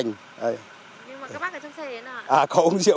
nhưng mà các bác ở trong xe này à